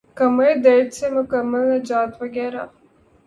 کمر درد سے مکمل نجات وغیرہ